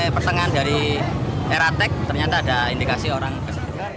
persengan dari eratek ternyata ada indikasi orang kesan